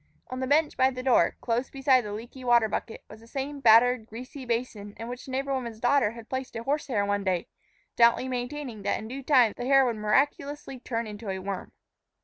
On the bench by the door, close beside the leaky water bucket, was the same battered, greasy basin in which the neighbor woman's daughter had placed a horse hair one day, stoutly maintaining that in due time the hair would miraculously turn into a worm.